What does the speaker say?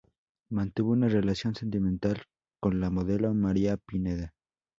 Mantuvo una relación sentimental con la modelo María Pineda.